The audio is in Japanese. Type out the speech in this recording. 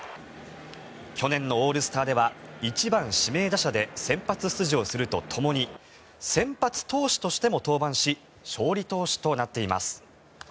去年のオールスターでは１番指名打者で先発出場するとともに先発投手としても登板し勝利投手となっています。